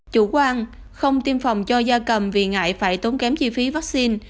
chủ quan không tiêm phòng cho da cầm vì ngại phải tốn kém chi phí vaccine